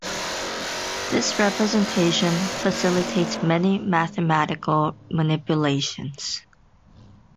This representation facilitates many mathematical manipulations.